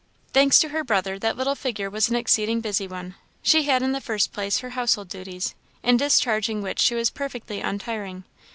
Thanks to her brother, that little figure was an exceeding busy one. She had in the first place her household duties, in discharging which she was perfectly untiring.